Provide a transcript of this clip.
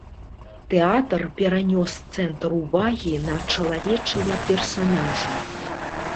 Тэатр перанёс цэнтр увагі на чалавечыя персанажы.